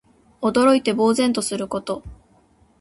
驚いて呆然とすること。